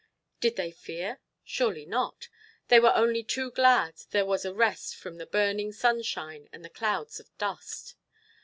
Did they fear? Surely not. They were only too glad there was a rest from the burning sunshine and the clouds of dust.